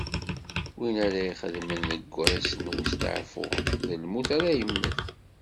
Win ara ixedmen deg wass n westeɛfu, d lmut ara yemmet.